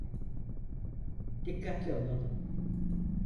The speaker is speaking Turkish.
Dikkatli olalım.